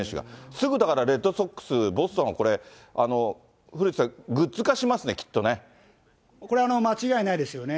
すぐ、だからレッドソックス、ボストン、これ、古内さん、これ、間違いないですよね。